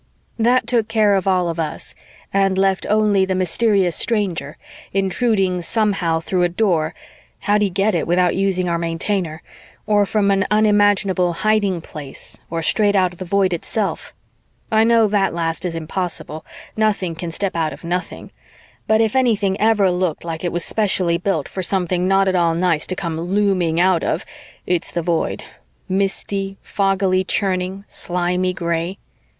That took care of all of us and left only the mysterious stranger, intruding somehow through a Door (how'd he get it without using our Maintainer?) or from an unimaginable hiding place or straight out of the Void itself. I know that last is impossible nothing can step out of nothing but if anything ever looked like it was specially built for something not at all nice to come looming out of, it's the Void misty, foggily churning, slimy gray....